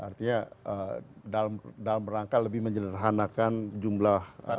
artinya dalam rangka lebih menyederhanakan jumlah